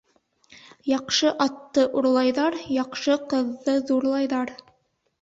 Яҡшы атты урлайҙар, яҡшы ҡыҙҙы ҙурлайҙар.